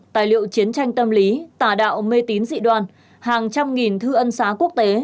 tài liệu chiến tranh tâm lý tà đạo mê tín dị đoan hàng trăm nghìn thư ân xá quốc tế